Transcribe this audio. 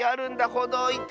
ほどいて！